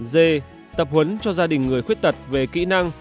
d tập huấn cho gia đình người khuyết tật về kỹ năng